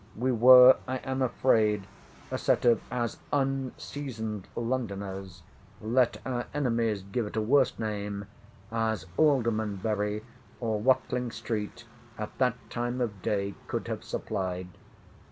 We were, I am afraid, a set of as unseasoned Londoners (let our enemies give it a worse name) as Aldermanbury, or Watling street, at that time of day could have supplied.